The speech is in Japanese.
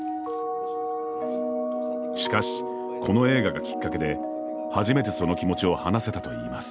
しかし、この映画がきっかけで初めてその気持ちを話せたといいます。